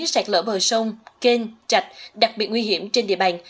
sạt lỡ bờ sông kênh trạch đặc biệt nguy hiểm trên địa bàn